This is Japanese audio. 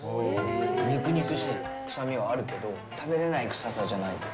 肉々しい臭みはあるけど食べれない臭さじゃないです。